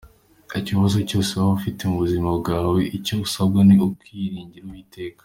Ikibazo cyose waba ufite mu buzima bwawe, icyo usabwa ni ukwiringira Uwiteka.